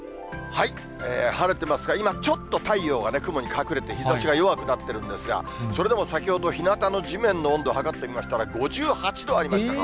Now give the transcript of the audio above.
晴れてますが、今ちょっと太陽がね、雲に隠れて、日ざしが弱くなってるんですが、それでも先ほど、ひなたの地面の温度測ってみましたら、５８度ありました。